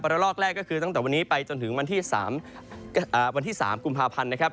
ละลอกแรกก็คือตั้งแต่วันนี้ไปจนถึงวันที่๓กุมภาพันธ์นะครับ